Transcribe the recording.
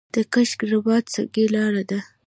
د کشک رباط سنګي لاره ده